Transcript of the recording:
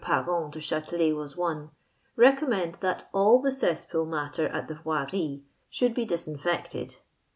Parent du Chatelet was one, recommend that all the cesspool matter at the Voiries should be dis infected.